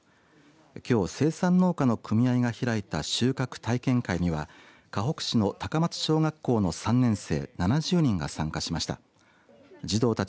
きょう生産農家の組合が開いた収穫体験会にはかほく市の高松小学校の３年生７０人が参加しました。